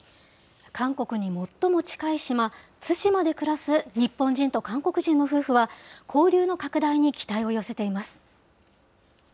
韓国に最も近い島、対馬で暮らす日本人と韓国人の夫婦は、交流の拡大に期待を寄せています。